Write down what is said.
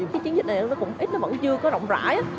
cái chiến dịch này nó cũng ít nó vẫn chưa có rộng rãi